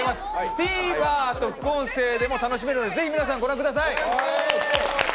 ＴＶｅｒ、副音声でも楽しめるので皆さんぜひご覧ください。